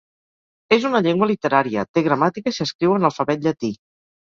És una llengua literària, té gramàtica i s'escriu en alfabet llatí.